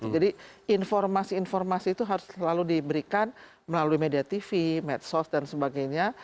jadi informasi informasi itu harus selalu diberikan melalui media tv medsos dan sebagainya